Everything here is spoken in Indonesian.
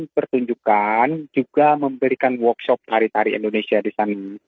dan pertunjukan juga memberikan workshop tari tari indonesia di sana